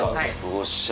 おっしゃ！